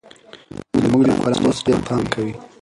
زموږ ليکوالان اوس ډېر پام کوي.